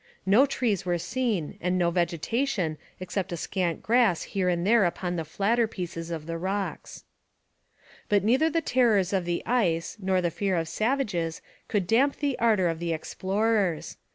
No trees were seen and no vegetation except a scant grass here and there upon the flatter spaces of the rocks. But neither the terrors of the ice nor the fear of the savages could damp the ardour of the explorers.